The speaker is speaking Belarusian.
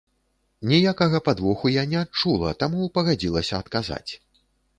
Ніякага падвоху я не адчула, таму пагадзілася адказаць.